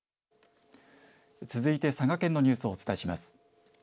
続いて佐賀県のニュースをお伝えします。